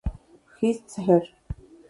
Hist., ser.